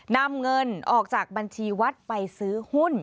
นำเงินออกจากบัญชีวัดไปซื้อหุ้น